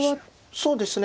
そうですね